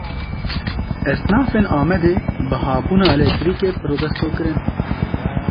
Esnafên Amedê bihabûna elektrîkê protesto kirin.